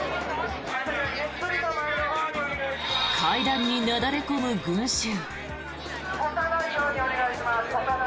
階段になだれ込む群衆。